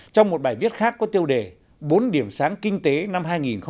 trong một bài viết khác có tiêu đề bốn điểm sáng kinh tế năm hai nghìn một mươi chín